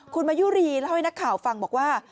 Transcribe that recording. คุณมายุรีเล่าให้นักข่าวฟังบอกว่า